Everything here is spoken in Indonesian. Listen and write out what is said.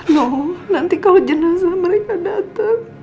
loh nanti kalau jenazah mereka datang